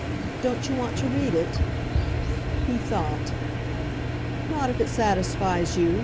"Don't you want to read it?" He thought. "Not if it satisfies you.